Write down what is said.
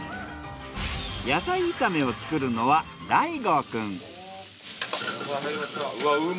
野菜炒めを作るのは大琥くん。